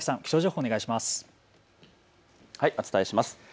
お伝えします。